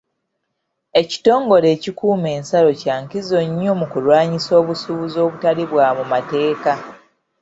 Ekitongole ekikuuma ensalo kya nkizo nnyo mu kulwanyisa obusuubuzi obutali bwa mu mateeka.